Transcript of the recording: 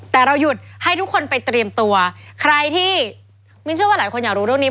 แต่เราหยุดให้ทุกคนไปเตรียมตัวใครที่มินเชื่อว่าหลายคนอยากรู้เรื่องนี้